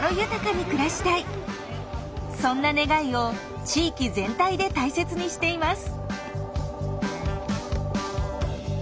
そんな願いを地域全体で大切にしています。